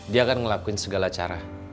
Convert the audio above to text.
dia akan ngelakuin segala cara